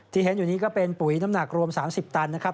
เห็นอยู่นี้ก็เป็นปุ๋ยน้ำหนักรวม๓๐ตันนะครับ